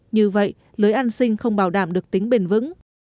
như vậy lưới an sinh không bảo đảm được tính bền vững